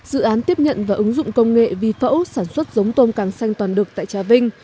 dự án tiếp nhận và ứng dụng công nghệ vi phẫu sản xuất giống tôm càng xanh toàn đực tại trà vinh